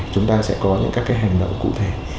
chúng ta sẽ có những các cái hành động cụ thể